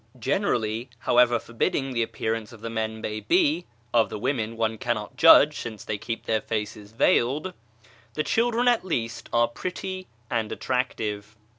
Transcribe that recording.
Generally, however forbidding the appearance of the men may be (of the women one cannot judge, since they keep their faces veiled), the children at least are pretty and at tractive.